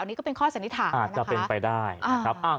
อันนี้ก็เป็นข้อสันนิษฐานอ่าจะเป็นไปได้อ่าครับอ่า